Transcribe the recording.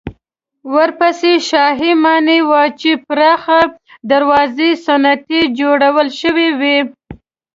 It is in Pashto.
ورپسې شاهي ماڼۍ وه چې پراخې دروازې یې ستنې جوړې شوې وې.